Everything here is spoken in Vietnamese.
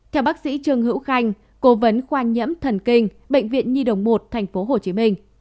theo bác sĩ trương hữu khanh cố vấn khoan nhẫm thần kinh bệnh viện nhi đồng một tp hcm